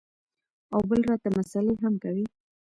او بل راته مسالې هم کوې.